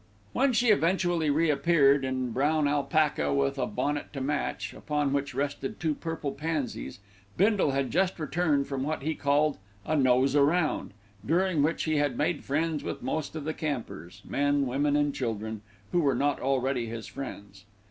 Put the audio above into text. When she eventually re appeared in brown alpaca with a bonnet to match, upon which rested two purple pansies, Bindle had just returned from what he called "a nose round," during which he had made friends with most of the campers, men, women and children, who were not already his friends.